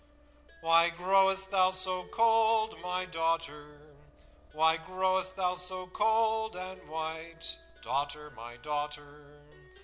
"'Why growest thou so cold, my daughter? Why growest thou so cold and white, Daughter, my daughter?'